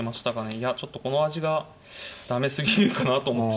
いやちょっとこの味が駄目すぎるかなと思って。